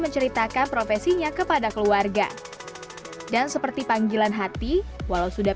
menceritakan profesinya kepada keluarga dan seperti panggilan hati walau sudah